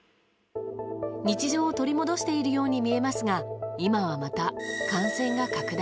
日常を取り戻しているように見えますが今はまた、感染が拡大。